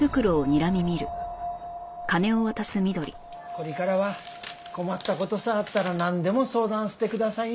これからは困った事さあったらなんでも相談してください。